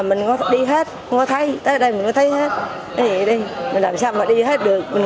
mình có đi hết có thấy tới đây mình có thấy hết cái gì vậy đây mình làm sao mà đi hết được mình